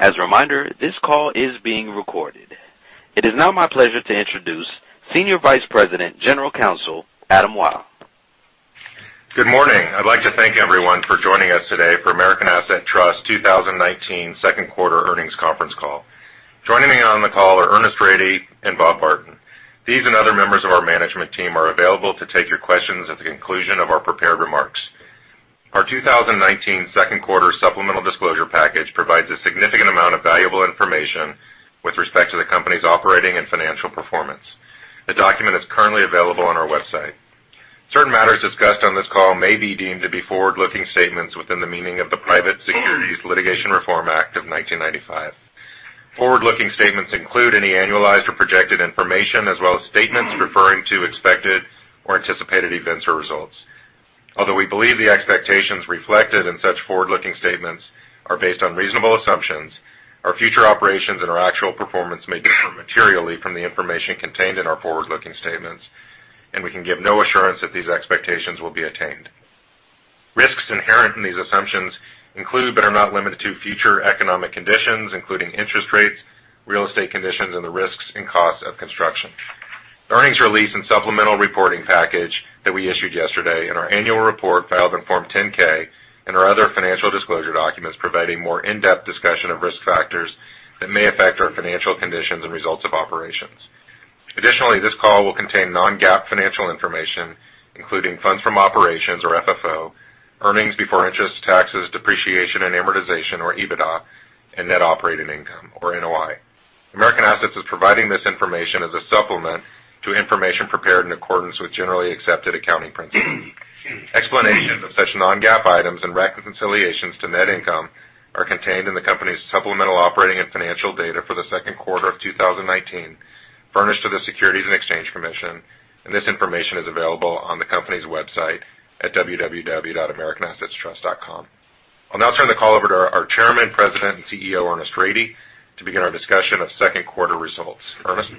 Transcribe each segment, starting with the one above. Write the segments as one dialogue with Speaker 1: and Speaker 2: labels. Speaker 1: As a reminder, this call is being recorded. It is now my pleasure to introduce Senior Vice President General Counsel, Adam Wyll.
Speaker 2: Good morning. I'd like to thank everyone for joining us today for American Assets Trust 2019 Second Quarter Earnings Conference Call. Joining me on the call are Ernest Rady and Bob Barton. These and other members of our management team are available to take your questions at the conclusion of our prepared remarks. Our 2019 second quarter supplemental disclosure package provides a significant amount of valuable information with respect to the company's operating and financial performance. The document is currently available on our website. Certain matters discussed on this call may be deemed to be forward-looking statements within the meaning of the Private Securities Litigation Reform Act of 1995. Forward-looking statements include any annualized or projected information, as well as statements referring to expected or anticipated events or results. Although we believe the expectations reflected in such forward-looking statements are based on reasonable assumptions, our future operations and our actual performance may differ materially from the information contained in our forward-looking statements, and we can give no assurance that these expectations will be attained. Risks inherent in these assumptions include, but are not limited to future economic conditions, including interest rates, real estate conditions, and the risks and costs of construction. Earnings release and supplemental reporting package that we issued yesterday and our annual report filed in Form 10-K and our other financial disclosure documents provide a more in-depth discussion of risk factors that may affect our financial conditions and results of operations. Additionally, this call will contain non-GAAP financial information, including funds from operations or FFO, earnings before interest, taxes, depreciation, and amortization or EBITDA, and net operating income or NOI. American Assets is providing this information as a supplement to information prepared in accordance with generally accepted accounting principles. Explanations of such non-GAAP items and reconciliations to net income are contained in the company's supplemental operating and financial data for the second quarter of 2019, furnished to the Securities and Exchange Commission, and this information is available on the company's website at www.americanassetstrust.com. I'll now turn the call over to our Chairman, President, and CEO, Ernest Rady, to begin our discussion of second quarter results. Ernest?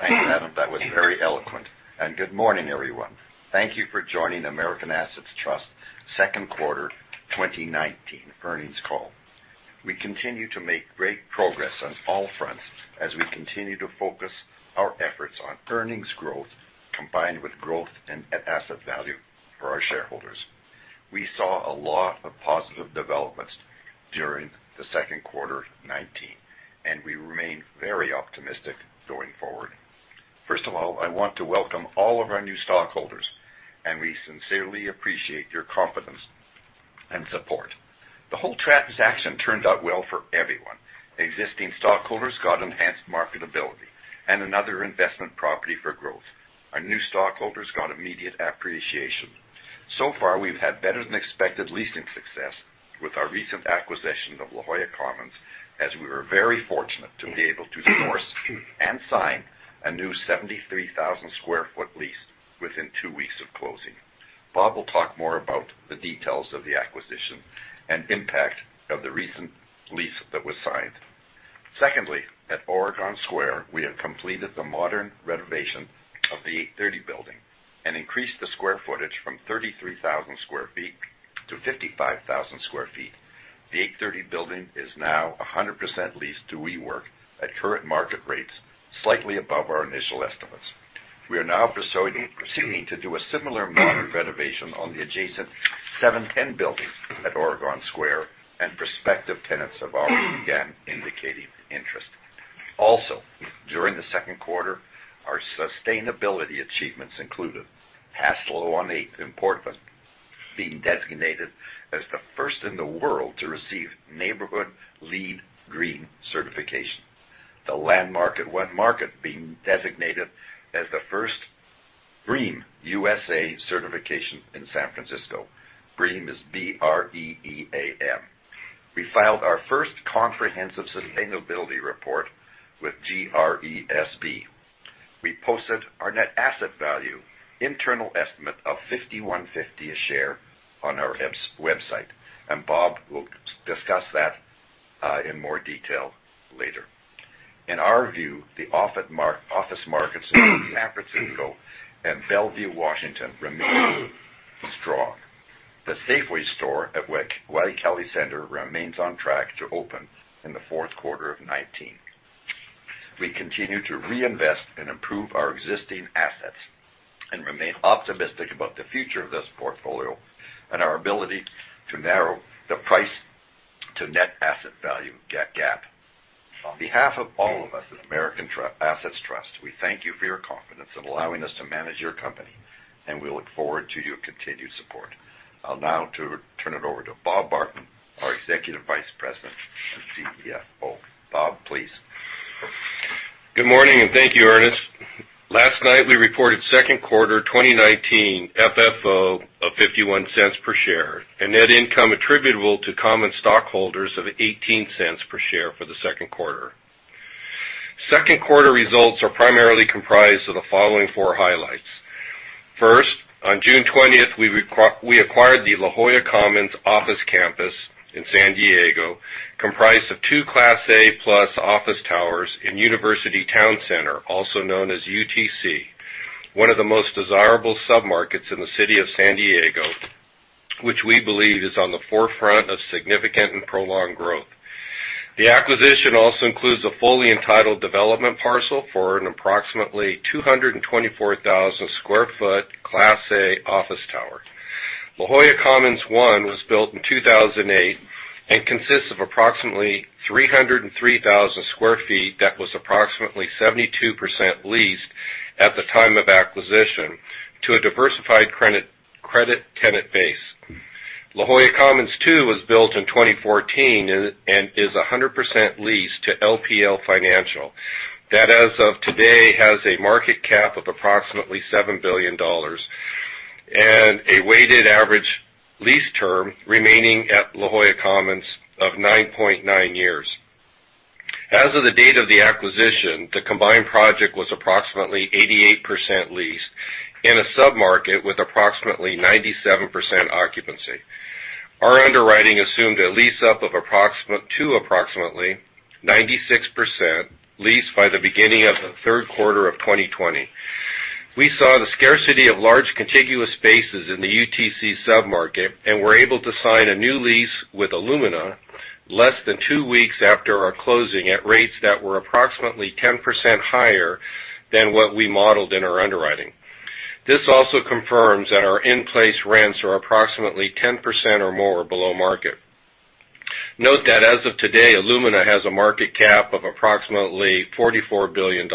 Speaker 3: Thank you, Adam. That was very eloquent. Good morning, everyone. Thank you for joining American Assets Trust second quarter 2019 earnings call. We continue to make great progress on all fronts as we continue to focus our efforts on earnings growth, combined with growth in net asset value for our shareholders. We saw a lot of positive developments during the second quarter 2019, and we remain very optimistic going forward. First of all, I want to welcome all of our new stockholders, and we sincerely appreciate your confidence and support. The whole transaction turned out well for everyone. Existing stockholders got enhanced marketability and another investment property for growth. Our new stockholders got immediate appreciation. So far, we've had better-than-expected leasing success with our recent acquisition of La Jolla Commons, as we were very fortunate to be able to source and sign a new 73,000 sq ft lease within two weeks of closing. Bob will talk more about the details of the acquisition and impact of the recent lease that was signed. Secondly, at Oregon Square, we have completed the modern renovation of the 830 Building and increased the square footage from 33,000 sq ft to 55,000 sq ft. The 830 building is now 100% leased to WeWork at current market rates, slightly above our initial estimates. We are now proceeding to do a similar modern renovation on the adjacent 710 Building at Oregon Square and prospective tenants are already, again, indicating interest. Also, during the second quarter, our sustainability achievements included Hassalo on Eighth in Portland being designated as the first in the world to receive neighborhood LEED Green certification. The Landmark at One Market being designated as the first BREEAM USA certification in San Francisco. BREEAM is B-R-E-E-A-M. We filed our first comprehensive sustainability report with GRESB. We posted our net asset value internal estimate of $51.50 a share on our website. Bob will discuss that in more detail later. In our view, the office markets in San Francisco and Bellevue, Washington remain strong. The Safeway store at Waikele Center remains on track to open in the fourth quarter of 2019. We continue to reinvest and improve our existing assets and remain optimistic about the future of this portfolio and our ability to narrow the price to net asset value gap. On behalf of all of us at American Assets Trust, we thank you for your confidence in allowing us to manage your company. We look forward to your continued support. I'll now turn it over to Bob Barton, our Executive Vice President and CFO. Bob, please.
Speaker 4: Good morning, thank you, Ernest. Last night, we reported second quarter 2019 FFO of $0.51 per share and net income attributable to common stockholders of $0.18 per share for the second quarter. Second quarter results are primarily comprised of the following four highlights. First, on June 20th, we acquired the La Jolla Commons office campus in San Diego, comprised of two Class A plus office towers in University Town Center, also known as UTC, one of the most desirable submarkets in the city of San Diego Which we believe is on the forefront of significant and prolonged growth. The acquisition also includes a fully entitled development parcel for an approximately 224,000 sq ft Class A office tower. La Jolla Commons I was built in 2008 and consists of approximately 303,000 square feet that was approximately 72% leased at the time of acquisition to a diversified credit tenant base. La Jolla Commons II was built in 2014 and is 100% leased to LPL Financial. That, as of today, has a market cap of approximately $7 billion and a weighted average lease term remaining at La Jolla Commons of 9.9 years. As of the date of the acquisition, the combined project was approximately 88% leased in a submarket with approximately 97% occupancy. Our underwriting assumed a lease-up to approximately 96% leased by the beginning of the third quarter of 2020. We saw the scarcity of large contiguous spaces in the UTC submarket and were able to sign a new lease with Illumina less than two weeks after our closing at rates that were approximately 10% higher than what we modeled in our underwriting. This also confirms that our in-place rents are approximately 10% or more below market. Note that as of today, Illumina has a market cap of approximately $44 billion.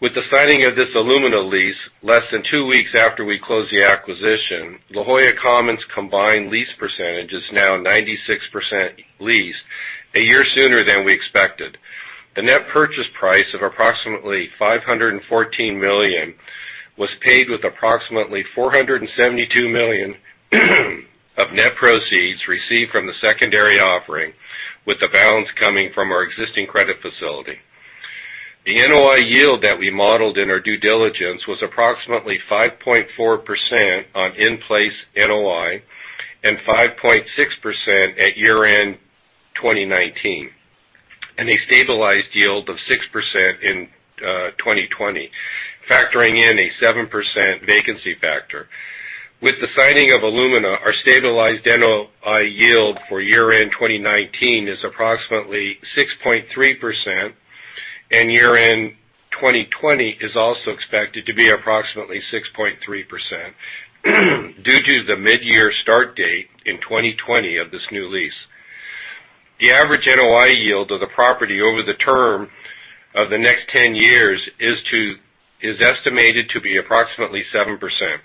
Speaker 4: With the signing of this Illumina lease less than two weeks after we closed the acquisition, La Jolla Commons' combined lease percentage is now 96% leased a year sooner than we expected. The net purchase price of approximately $514 million was paid with approximately $472 million of net proceeds received from the secondary offering, with the balance coming from our existing credit facility. The NOI yield that we modeled in our due diligence was approximately 5.4% on in-place NOI and 5.6% at year-end 2019, and a stabilized yield of 6% in 2020, factoring in a 7% vacancy factor. With the signing of Illumina, our stabilized NOI yield for year-end 2019 is approximately 6.3%, and year-end 2020 is also expected to be approximately 6.3% due to the mid-year start date in 2020 of this new lease. The average NOI yield of the property over the term of the next 10 years is estimated to be approximately 7%.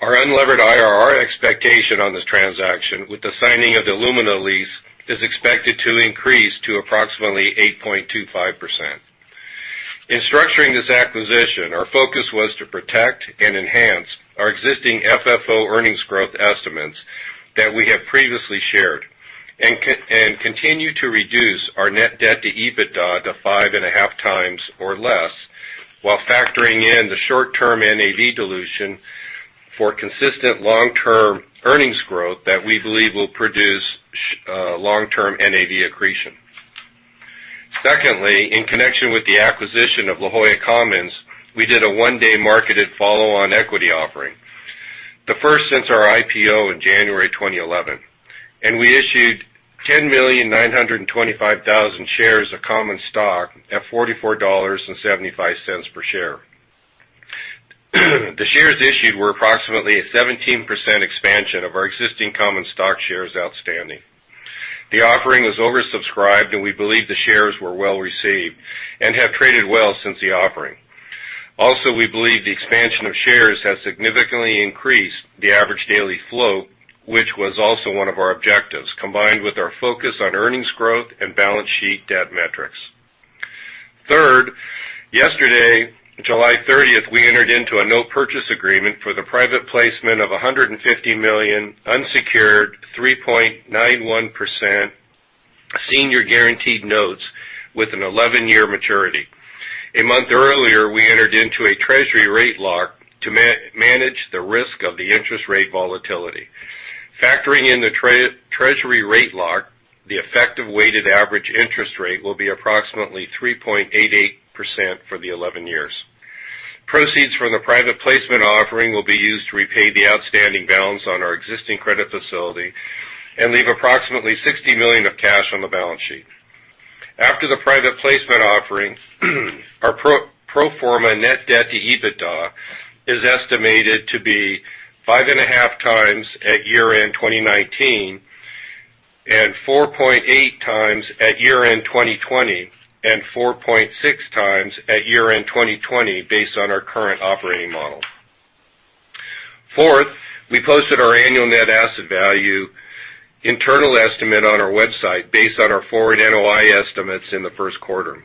Speaker 4: Our unlevered IRR expectation on this transaction with the signing of the Illumina lease is expected to increase to approximately 8.25%. In structuring this acquisition, our focus was to protect and enhance our existing FFO earnings growth estimates that we have previously shared and continue to reduce our net debt to EBITDA to 5.5x or less while factoring in the short-term NAV dilution for consistent long-term earnings growth that we believe will produce long-term NAV accretion. In connection with the acquisition of La Jolla Commons, we did a one-day marketed follow-on equity offering, the first since our IPO in January 2011, we issued 10,925,000 shares of common stock at $44.75 per share. The shares issued were approximately a 17% expansion of our existing common stock shares outstanding. The offering was oversubscribed, we believe the shares were well-received and have traded well since the offering. Also, we believe the expansion of shares has significantly increased the average daily flow, which was also one of our objectives, combined with our focus on earnings growth and balance sheet debt metrics. Third, yesterday, July 30th, we entered into a note purchase agreement for the private placement of $150 million unsecured 3.91% senior guaranteed notes with an 11-year maturity. A month earlier, we entered into a Treasury rate lock to manage the risk of the interest rate volatility. Factoring in the treasury rate lock, the effective weighted average interest rate will be approximately 3.88% for the 11 years. Proceeds from the private placement offering will be used to repay the outstanding balance on our existing credit facility and leave approximately $60 million of cash on the balance sheet. After the private placement offering, our pro forma net debt to EBITDA is estimated to be 5.5x at year-end 2019, and 4.8x at year-end 2020, and 4.6x at year-end 2020 based on our current operating model. Fourth, we posted our annual net asset value internal estimate on our website based on our forward NOI estimates in the first quarter.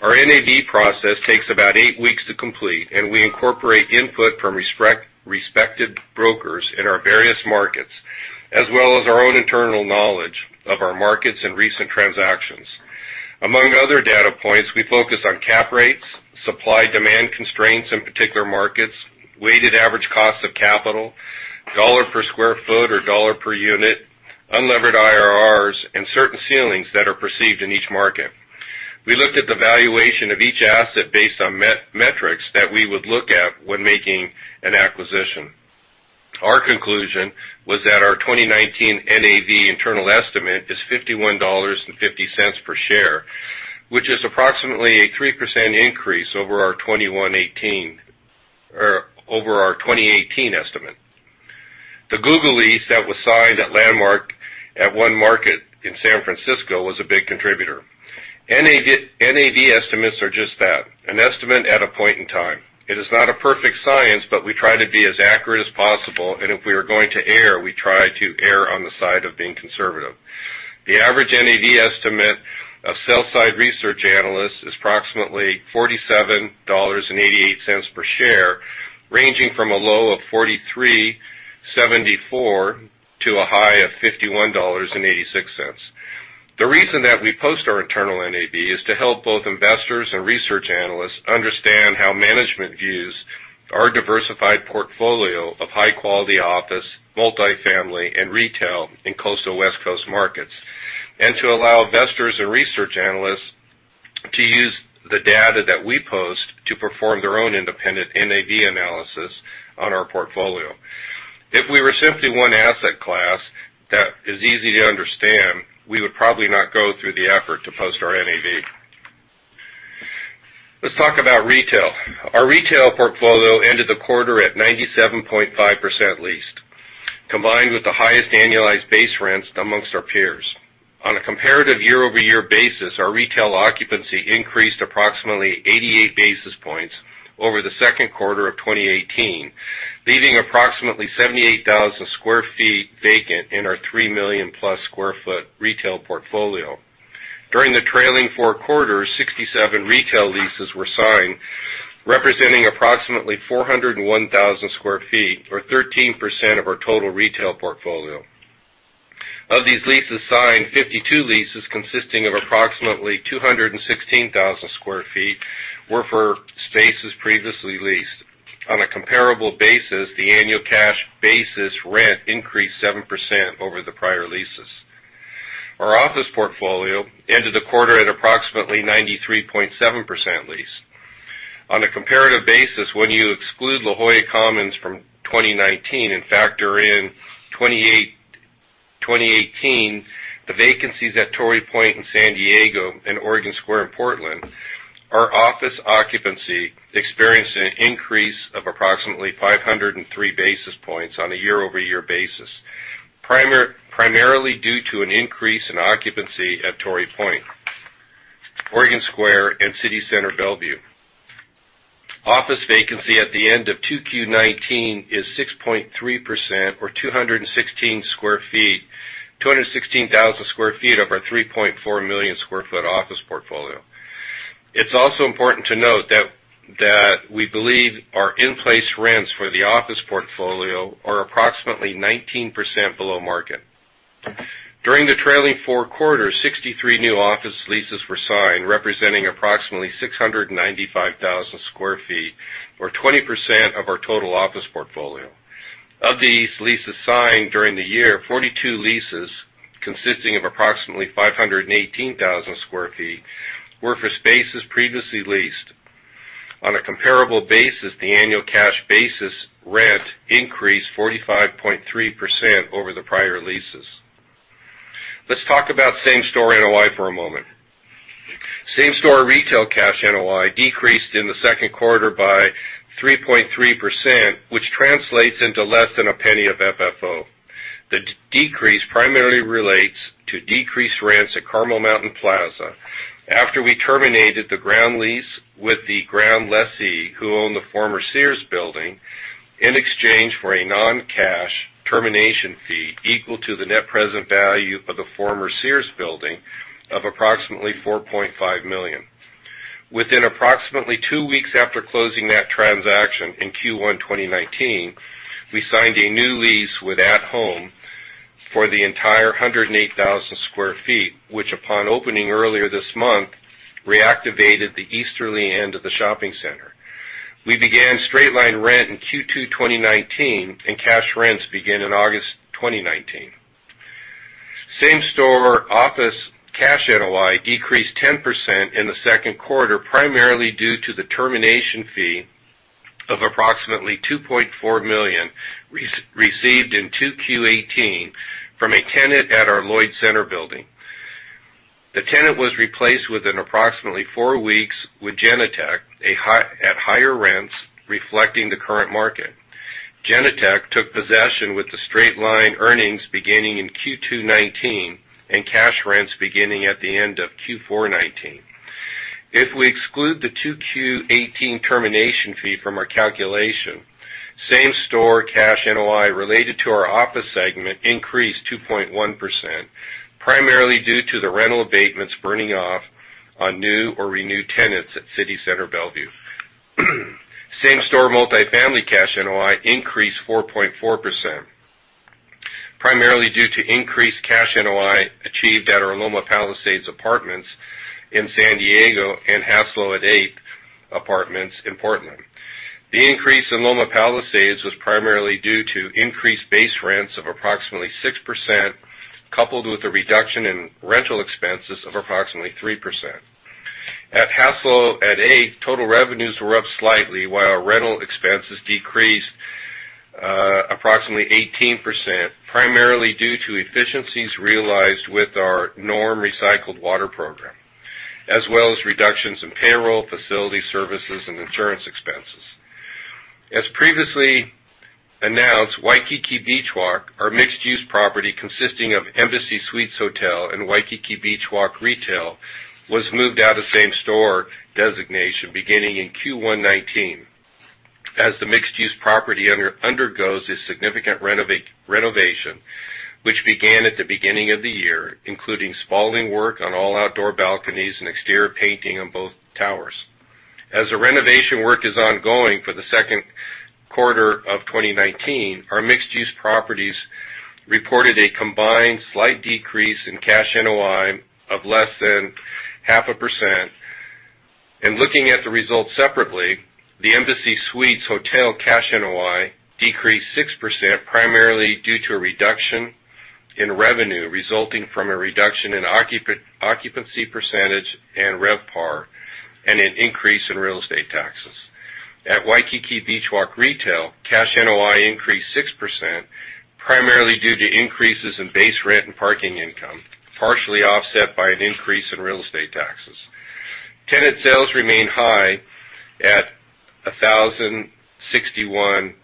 Speaker 4: Our NAV process takes about eight weeks to complete, we incorporate input from respected brokers in our various markets, as well as our own internal knowledge of our markets and recent transactions. Among other data points, we focus on cap rates, supply-demand constraints in particular markets, weighted average cost of capital, dollar per square foot or dollar per unit, unlevered IRRs, and certain ceilings that are perceived in each market. We looked at the valuation of each asset based on metrics that we would look at when making an acquisition. Our conclusion was that our 2019 NAV internal estimate is $51.50 per share, which is approximately a 3% increase over our 2018 estimate. The Google lease that was signed at Landmark at One Market in San Francisco was a big contributor. NAV estimates are just that. An estimate at a point in time. It is not a perfect science, but we try to be as accurate as possible, and if we are going to err, we try to err on the side of being conservative. The average NAV estimate of sell-side research analysts is approximately $47.88 per share, ranging from a low of $43.74 to a high of $51.86. The reason that we post our internal NAV is to help both investors and research analysts understand how management views our diversified portfolio of high-quality office, multi-family, and retail in coastal West Coast markets, and to allow investors and research analysts to use the data that we post to perform their own independent NAV analysis on our portfolio. If we were simply one asset class that is easy to understand, we would probably not go through the effort to post our NAV. Let's talk about retail. Our retail portfolio ended the quarter at 97.5% leased, combined with the highest annualized base rents amongst our peers. On a comparative year-over-year basis, our retail occupancy increased approximately 88 basis points over the second quarter of 2018, leaving approximately 78,000 sq ft vacant in our 3 million+ sq ft retail portfolio. During the trailing four quarters, 67 retail leases were signed, representing approximately 401,000 sq ft or 13% of our total retail portfolio. Of these leases signed, 52 leases consisting of approximately 216,000 sq ft were for spaces previously leased. On a comparable basis, the annual cash basis rent increased 7% over the prior leases. Our office portfolio ended the quarter at approximately 93.7% leased. On a comparative basis, when you exclude La Jolla Commons from 2019 and factor in 2018, the vacancies at Torrey Point in San Diego and Oregon Square in Portland, our office occupancy experienced an increase of approximately 503 basis points on a year-over-year basis, primarily due to an increase in occupancy at Torrey Point, Oregon Square, and City Center Bellevue. Office vacancy at the end of 2Q 2019 is 6.3%, or 216,000 sq ft of our 3.4 million sq ft office portfolio. It's also important to note that we believe our in-place rents for the office portfolio are approximately 19% below market. During the trailing four quarters, 63 new office leases were signed, representing approximately 695,000 sq ft or 20% of our total office portfolio. Of these leases signed during the year, 42 leases consisting of approximately 518,000 sq ft were for spaces previously leased. On a comparable basis, the annual cash basis rent increased 45.3% over the prior leases. Let's talk about same-store NOI for a moment. Same-store retail cash NOI decreased in the second quarter by 3.3%, which translates into less than $0.01 of FFO. The decrease primarily relates to decreased rents at Carmel Mountain Plaza after we terminated the ground lease with the ground lessee who owned the former Sears Building in exchange for a non-cash termination fee equal to the net present value of the former Sears Building of approximately $4.5 million. Within approximately two weeks after closing that transaction in Q1 2019, we signed a new lease with At Home for the entire 108,000 square feet, which upon opening earlier this month, reactivated the easterly end of the shopping center. We began straight-line rent in Q2 2019, and cash rents begin in August 2019. Same-store office cash NOI decreased 10% in the second quarter, primarily due to the termination fee of approximately $2.4 million received in 2Q 2018 from a tenant at our Lloyd Center Building. The tenant was replaced within approximately four weeks with Genentech at higher rents reflecting the current market. Genentech took possession with the straight-line earnings beginning in Q2 2019, and cash rents beginning at the end of Q4 2019. If we exclude the 2Q 2018 termination fee from our calculation, same-store cash NOI related to our office segment increased 2.1%, primarily due to the rental abatements burning off on new or renewed tenants at City Center Bellevue. Same-store multifamily cash NOI increased 4.4%, primarily due to increased cash NOI achieved at our Loma Palisades apartments in San Diego and Hassalo on Eighth apartments in Portland. The increase in Loma Palisades was primarily due to increased base rents of approximately 6%, coupled with a reduction in rental expenses of approximately 3%. At Hassalo on Eighth, total revenues were up slightly while rental expenses decreased approximately 18%, primarily due to efficiencies realized with our NORM recycled water program, as well as reductions in payroll, facility services, and insurance expenses. As previously announced, Waikiki Beach Walk, our mixed-use property consisting of Embassy Suites Hotel and Waikiki Beach Walk Retail, was moved out of same-store designation beginning in Q1 2019. As the mixed-use property undergoes a significant renovation, which began at the beginning of the year, including spalling work on all outdoor balconies and exterior painting on both towers. As the renovation work is ongoing for the second quarter of 2019, our mixed-use properties reported a combined slight decrease in cash NOI of less than half a percent. Looking at the results separately, the Embassy Suites Hotel cash NOI decreased 6%, primarily due to a reduction in revenue resulting from a reduction in occupancy percentage and RevPAR, and an increase in real estate taxes. At Waikiki Beach Walk Retail, cash NOI increased 6%, primarily due to increases in base rent and parking income, partially offset by an increase in real estate taxes. Tenant sales remain high at 1,061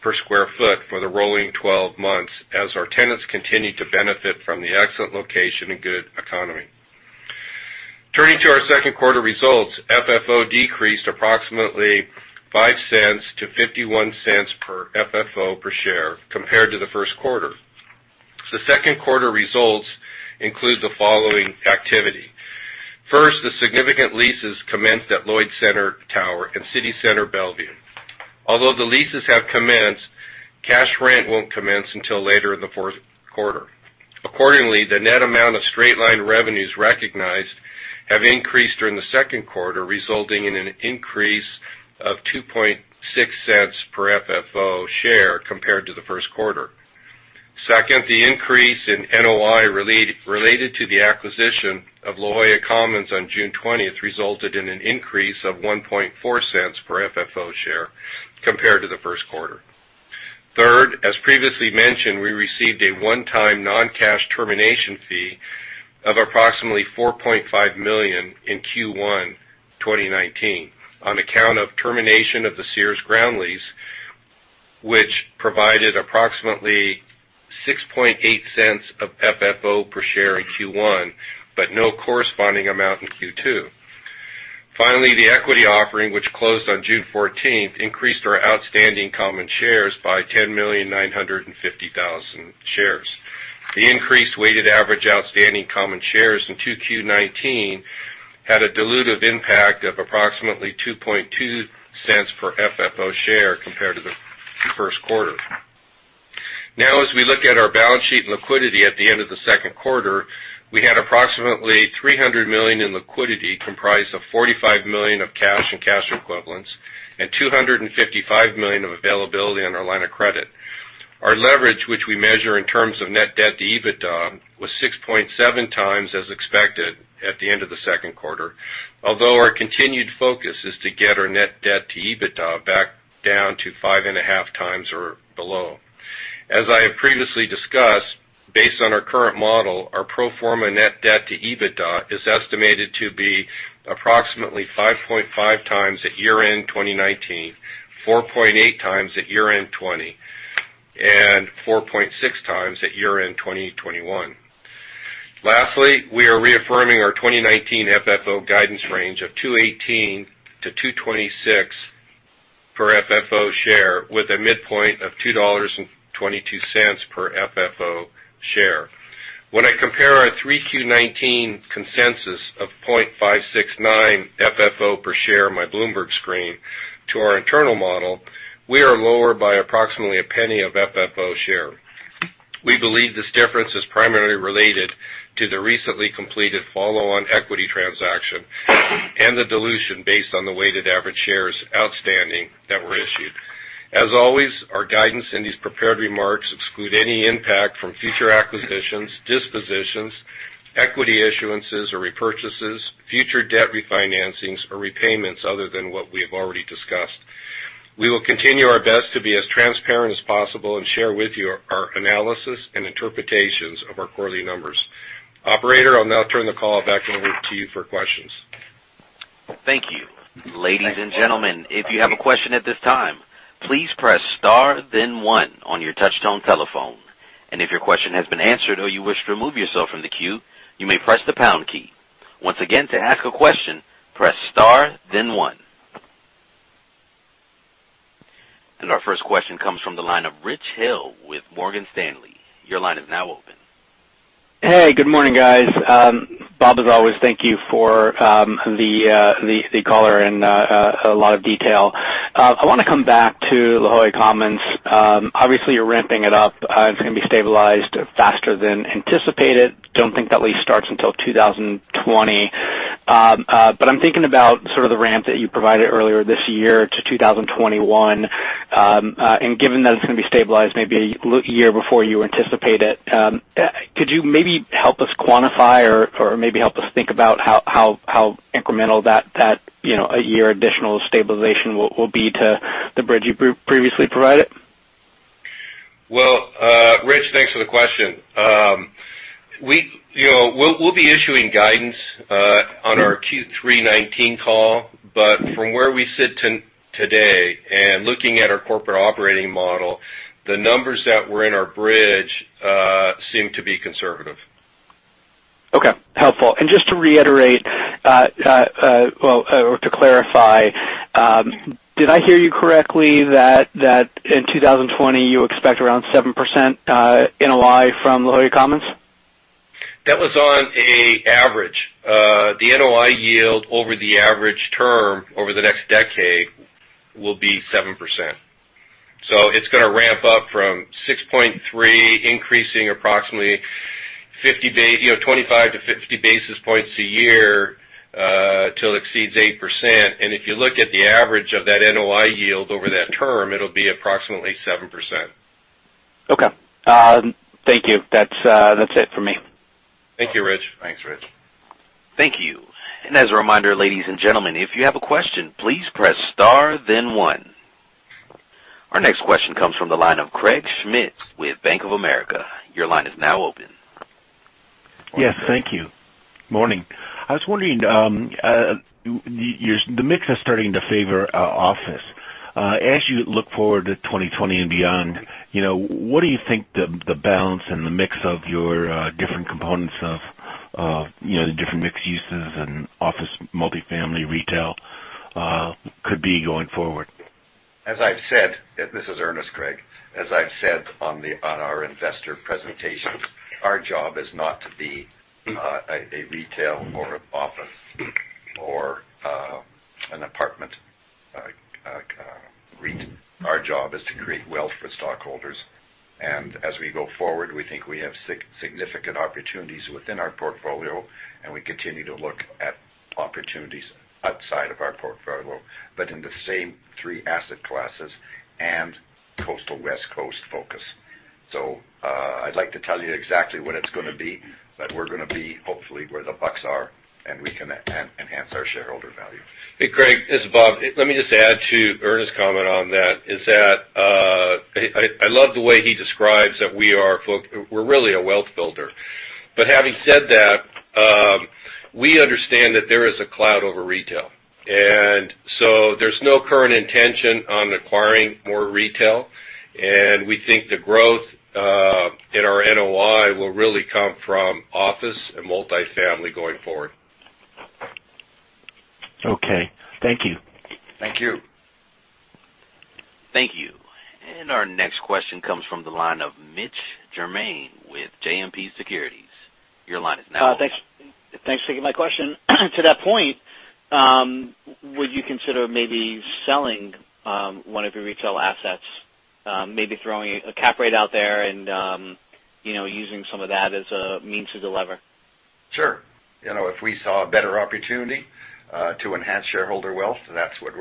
Speaker 4: per sq ft for the rolling 12 months as our tenants continue to benefit from the excellent location and good economy. Turning to our second quarter results, FFO decreased approximately $0.05 to $0.51 per FFO per share compared to the first quarter. The second quarter results include the following activity. First, the significant leases commenced at Lloyd Center Tower and City Center Bellevue. Although the leases have commenced, cash rent won't commence until later in the fourth quarter. Accordingly, the net amount of straight-line revenues recognized have increased during the second quarter, resulting in an increase of $0.026 per FFO share compared to the first quarter. Second, the increase in NOI related to the acquisition of La Jolla Commons on June 20th resulted in an increase of $0.014 per FFO share compared to the first quarter. Third, as previously mentioned, we received a one-time non-cash termination fee of approximately $4.5 million in Q1 2019 on account of termination of the Sears ground lease, which provided approximately $0.068 of FFO per share in Q1, but no corresponding amount in Q2. Finally, the equity offering, which closed on June 14th, increased our outstanding common shares by 10,950,000 shares. The increased weighted average outstanding common shares in 2Q19 had a dilutive impact of approximately $0.022 per FFO share compared to the first quarter. As we look at our balance sheet and liquidity at the end of the second quarter, we had approximately $300 million in liquidity, comprised of $45 million of cash and cash equivalents and $255 million of availability on our line of credit. Our leverage, which we measure in terms of net debt to EBITDA, was 6.7x as expected at the end of the second quarter. Our continued focus is to get our net debt to EBITDA back down to 5.5x or below. As I have previously discussed, based on our current model, our pro forma net debt to EBITDA is estimated to be approximately 5.5x at year-end 2019, 4.8x at year-end 2020, and 4.6x at year-end 2021. Lastly, we are reaffirming our 2019 FFO guidance range of $2.18-$2.26 per FFO share, with a midpoint of $2.22 per FFO share. When I compare our 3Q19 consensus of $0.569 FFO per share, my Bloomberg screen, to our internal model, we are lower by approximately $0.01 of FFO share. We believe this difference is primarily related to the recently completed follow-on equity transaction and the dilution based on the weighted average shares outstanding that were issued. As always, our guidance in these prepared remarks exclude any impact from future acquisitions, dispositions, equity issuances or repurchases, future debt refinancings, or repayments other than what we have already discussed. We will continue our best to be as transparent as possible and share with you our analysis and interpretations of our quarterly numbers. Operator, I'll now turn the call back over to you for questions.
Speaker 1: Thank you. Ladies and gentlemen, if you have a question at this time, please press star then one on your touchtone telephone. If your question has been answered or you wish to remove yourself from the queue, you may press the pound key. Once again, to ask a question, press star then one. Our first question comes from the line of Rich Hill with Morgan Stanley. Your line is now open.
Speaker 5: Hey, good morning, guys. Bob, as always, thank you for the color and a lot of detail. I want to come back to La Jolla Commons. You're ramping it up. It's going to be stabilized faster than anticipated. Don't think that lease starts until 2020. I'm thinking about sort of the ramp that you provided earlier this year to 2021. Given that it's going to be stabilized maybe a year before you anticipate it, could you maybe help us quantify or maybe help us think about how incremental that additional year of stabilization will be to the bridge you previously provided?
Speaker 4: Well, Rich, thanks for the question. We'll be issuing guidance on our Q3 2019 call. From where we sit today, and looking at our corporate operating model, the numbers that were in our bridge seem to be conservative.
Speaker 5: Okay. Helpful. Just to reiterate, or to clarify, did I hear you correctly that in 2020, you expect around 7% NOI from La Jolla Commons?
Speaker 4: That was on an average. The NOI yield over the average term over the next decade will be 7%. It's going to ramp up from 6.3%, increasing approximately 25 to 50 basis points a year, till it exceeds 8%. If you look at the average of that NOI yield over that term, it'll be approximately 7%.
Speaker 5: Okay. Thank you. That's it for me.
Speaker 4: Thank you, Rich.
Speaker 2: Thanks, Rich.
Speaker 1: Thank you. As a reminder, ladies and gentlemen, if you have a question, please press star then one. Our next question comes from the line of Craig Schmidt with Bank of America. Your line is now open.
Speaker 6: Yes. Thank you. Morning. I was wondering, the mix is starting to favor office. As you look forward to 2020 and beyond, what do you think the balance and the mix of your different components of the different mixed uses and office multifamily retail could be going forward?
Speaker 3: As I've said, this is Ernest, Craig. As I've said on our investor presentation, our job is not to be a retail or office or an apartment REIT. Our job is to create wealth for stockholders. As we go forward, we think we have significant opportunities within our portfolio, and we continue to look at opportunities outside of our portfolio, but in the same three asset classes and coastal West Coast focus. I'd like to tell you exactly when it's going to be, but we're going to be, hopefully, where the bucks are, and we can enhance our shareholder value.
Speaker 4: Hey, Craig, this is Bob. Let me just add to Ernest's comment on that, is that I love the way he describes that we're really a wealth builder. Having said that, we understand that there is a cloud over retail. There's no current intention on acquiring more retail, and we think the growth in our NOI will really come from office and multifamily going forward.
Speaker 6: Okay. Thank you.
Speaker 3: Thank you.
Speaker 1: Thank you. Our next question comes from the line of Mitch Germain with JMP Securities. Your line is now open.
Speaker 7: Thanks for taking my question. To that point, would you consider maybe selling one of your retail assets? Maybe throwing a cap rate out there and using some of that as a means to delever?
Speaker 3: Sure. If we saw a better opportunity to enhance shareholder wealth, that's what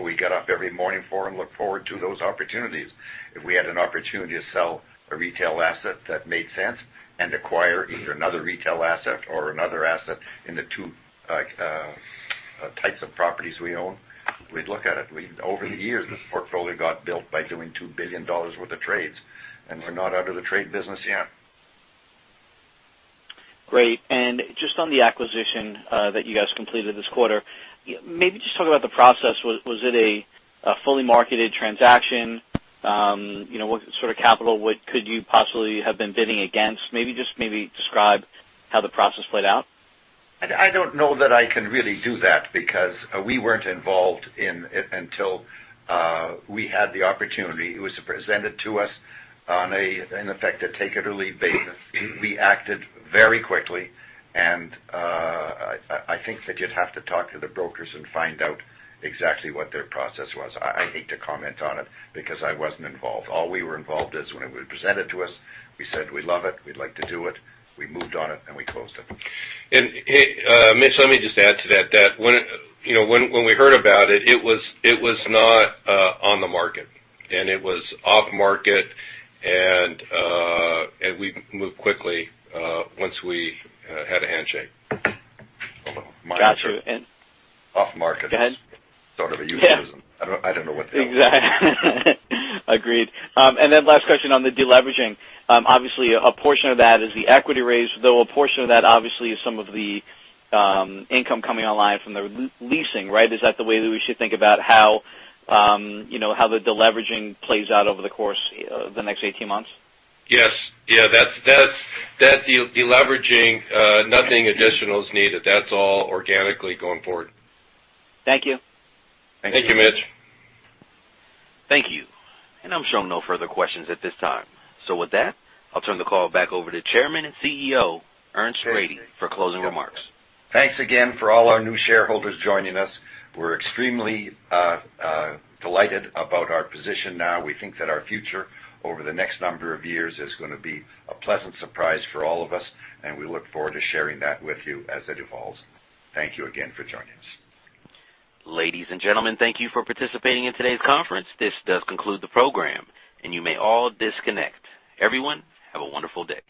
Speaker 3: we get up every morning for and look forward to those opportunities. If we had an opportunity to sell a retail asset that made sense and acquire either another retail asset or another asset in the two types of properties we own, we'd look at it. Over the years, this portfolio got built by doing $2 billion worth of trades, and we're not out of the trade business yet.
Speaker 7: Great. Just on the acquisition that you guys completed this quarter, maybe just talk about the process. Was it a fully marketed transaction? What sort of capital could you possibly have been bidding against? Maybe just describe how the process played out.
Speaker 3: I don't know that I can really do that because we weren't involved in it until we had the opportunity. It was presented to us on, in effect, a take it or leave basis. We acted very quickly, and I think that you'd have to talk to the brokers and find out exactly what their process was. I hate to comment on it because I wasn't involved. All we were involved is when it was presented to us, we said we love it, we'd like to do it. We moved on it, and we closed it.
Speaker 4: Mitch, let me just add to that. When we heard about it was not on the market, and it was off-market, and we moved quickly once we had a handshake.
Speaker 7: Got you.
Speaker 3: Off-market-
Speaker 7: Go ahead.
Speaker 3: sort of a euphemism.
Speaker 7: Yeah.
Speaker 3: I don't know what the-
Speaker 7: Exactly. Agreed. Last question on the deleveraging. Obviously, a portion of that is the equity raise, though a portion of that, obviously, is some of the income coming online from the leasing, right? Is that the way that we should think about how the deleveraging plays out over the course of the next 18 months?
Speaker 4: Yes. That deleveraging, nothing additional is needed. That's all organically going forward.
Speaker 7: Thank you.
Speaker 3: Thank you.
Speaker 4: Thank you, Mitch.
Speaker 1: Thank you. I'm showing no further questions at this time. With that, I'll turn the call back over to Chairman and CEO, Ernest Rady, for closing remarks.
Speaker 3: Thanks again for all our new shareholders joining us. We're extremely delighted about our position now. We think that our future over the next number of years is going to be a pleasant surprise for all of us, and we look forward to sharing that with you as it evolves. Thank you again for joining us.
Speaker 1: Ladies and gentlemen, thank you for participating in today's conference. This does conclude the program, and you may all disconnect. Everyone, have a wonderful day.